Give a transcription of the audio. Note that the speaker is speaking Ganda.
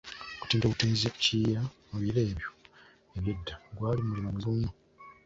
Okutinda obutinzi Kiyira mu biro ebyo eby'edda, gwali mulimu muzibu nnyo.